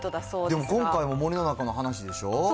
でも今回も森の中の話でしょ？